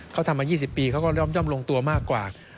เขาทำมา๒๐ปีเขาก็ย่อมลงตัวมากกว่า